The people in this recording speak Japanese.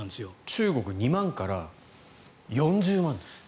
中国２万から４０万です。